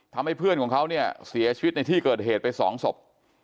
ทำให้เพื่อนของเขาเนี่ยเสียชีวิตในที่เกิดเหตุไปสองศพ